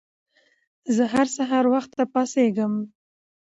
زه هر سهار وخته پاڅيږم